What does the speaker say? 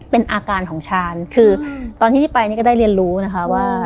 เป็นอาการของชาญคือตอนที่ไปนี่ก็ได้เรียนรู้นะคะว่า